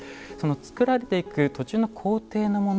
作られていく途中の工程のもの